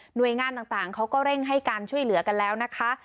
โดยงานต่างเขาก็เร่งให้การช่วยเหลือกันแล้วนะคะ